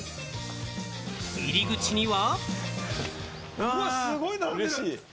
入り口には。